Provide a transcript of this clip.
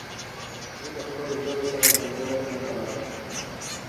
زه د خپلي ژبي سره ځانګړي مينه لرم.